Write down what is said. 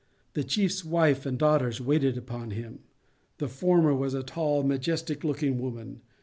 The chief's wife and daughters waited upon him. The former was a tall, majestic looking woman.